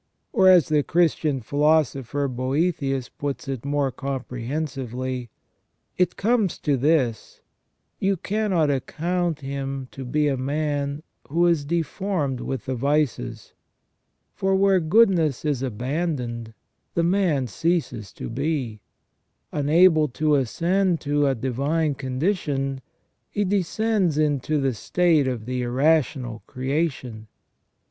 Or as the Christian philosopher Boetius puts it more comprehensively :" It comes to this : you cannot account him to be a man who is deformed with the vices; for where goodness is abandoned the man ceases to be ; unable to ascend to a divine condition, he descends into the state of the irrational creation".!